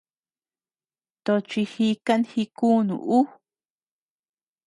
Tochi jikan jikunu ú.